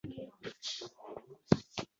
Bilgani ichida u pismiqni